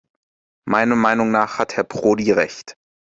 Meiner Meinung nach hat Herr Prodi recht.